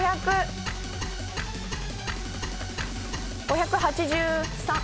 ５８３。